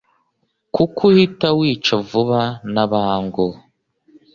kuko uhita wica vuba na bangu,